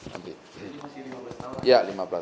jadi mesti lima belas tahun